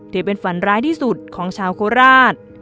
ถือเป็นฝันร้ายที่สุดของชาวโคราช